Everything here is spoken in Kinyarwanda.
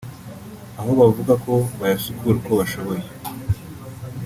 aho bavuga ko bayasukura uko bashoboye